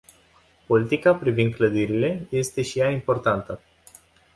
Politica privind clădirile este și ea importantă.